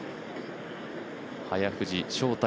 早藤将太